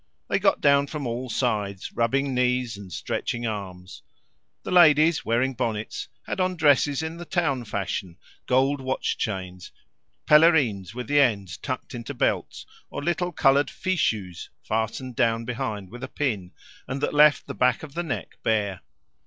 They got down from all sides, rubbing knees and stretching arms. The ladies, wearing bonnets, had on dresses in the town fashion, gold watch chains, pelerines with the ends tucked into belts, or little coloured fichus fastened down behind with a pin, and that left the back of the neck bare.